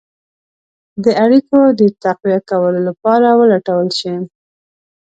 د اړېکو د تقویه کولو لپاره ولټول شي.